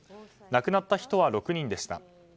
亡くなった人は６人でした。